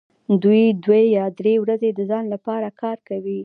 دوی دوې یا درې ورځې د ځان لپاره کار کوي